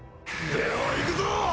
では行くぞ！